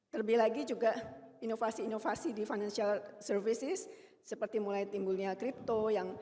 terlebih lagi juga inovasi inovasi di financial services seperti mulai timbulnya crypto